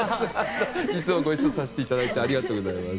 いつもご一緒させていただいてありがとうございます。